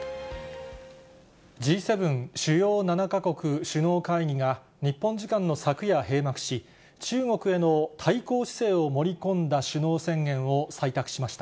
Ｇ７・主要７か国首脳会議が、日本時間の昨夜閉幕し、中国への対抗姿勢を盛り込んだ首脳宣言を採択しました。